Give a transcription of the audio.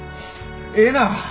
ええなぁ！